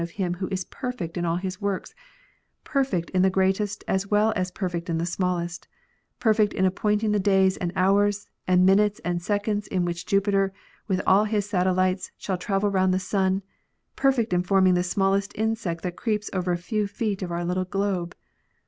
of Him Who is perfect in all His works, perfect in the greatest as well as perfect in the smallest, perfect in appointing the days and hours, and minutes and seconds in which Jupiter, with all his satellites, shall travel round the sun, perfect in forming the smallest insect that creeps over a few feet of our little globe